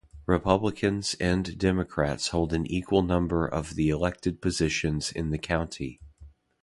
Republicans and Democrats hold an equal number of the elected positions in the county.